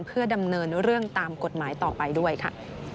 เพื่อดำเนินเรื่องตามกฎหมายต่อไปด้วยค่ะ